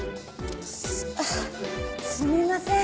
あっすみません。